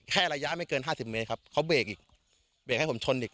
ระยะไม่เกินห้าสิบเมตรครับเขาเบรกอีกเบรกให้ผมชนอีก